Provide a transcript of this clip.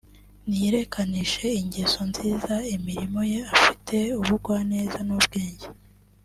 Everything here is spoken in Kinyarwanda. Niyerekanishe ingeso nziza imirimo ye afite ubugwaneza n’ubwenge